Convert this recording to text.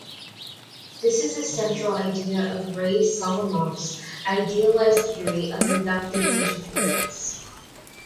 This is the central idea of Ray Solomonoff's idealized theory of inductive inference.